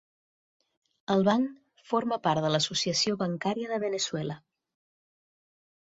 El banc forma part de l'Associació Bancària de Veneçuela.